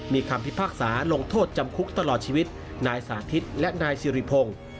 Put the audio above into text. มีคำพิพากษาลงโทษจำคุกตลอดชีวิตนายสาธิตและนายสิริพงศ์